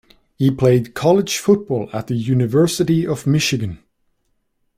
He played college football at the University of Michigan.